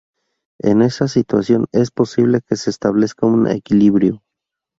En esa situación es posible que se establezca un equilibrio.